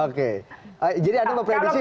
oke jadi anda mempredisi